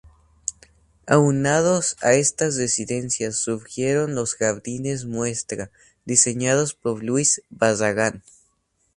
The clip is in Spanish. Aunados a estas residencias, surgieron los Jardines Muestra, diseñados por Luis Barragán.